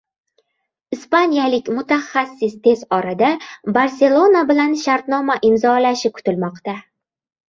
Ispaniyalik mutaxassis tez orada “Barselona” bilan shartnoma imzolashi kutilmoqda